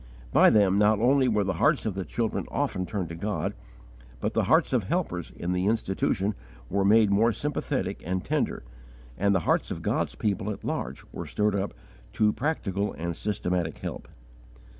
By them not only were the hearts of the children often turned to God, but the hearts of helpers in the Institution were made more sympathetic and tender, and the hearts of God's people at large were stirred up to practical and systematic help.